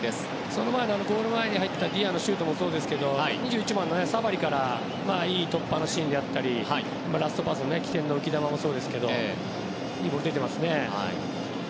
その前のゴール前に入ったディアのシュートもそうですが２１番のサバリからいい突破のシーンだったりラストパスの起点の浮き球もそうですけどいいボールが出てますね。